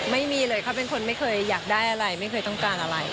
ไม่มีเลยเขาเป็นคนไม่เคยอยากได้อะไรไม่เคยต้องการอะไร